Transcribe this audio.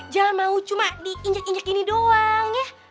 jangan mau cuma diinjek injek ini doang ya